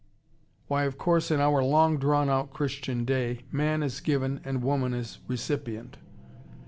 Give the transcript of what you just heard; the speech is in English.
Why, of course, in our long drawn out Christian day, man is given and woman is recipient.